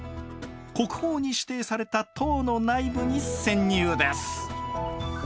国宝に指定された塔の内部に潜入です！